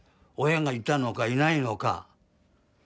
親がいたのかいないのか。